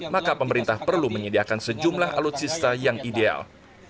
maka pemerintah perlu menyediakan sejumlah alutsista yang ideal